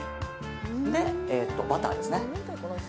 で、バターですね。